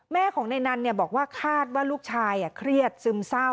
แม่ของในนั้นบอกว่าคาดว่าลูกชายเครียดซึมเศร้า